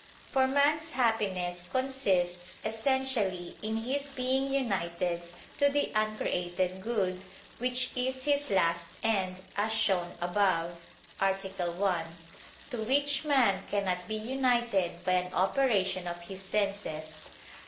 For man's happiness consists essentially in his being united to the Uncreated Good, Which is his last end, as shown above (A. 1): to Which man cannot be united by an operation of his senses.